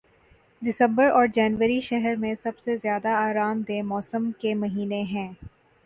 دسمبر اور جنوری شہر میں سب سے زیادہ آرام دہ موسم کے مہینے ہیں